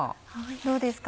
どうですか？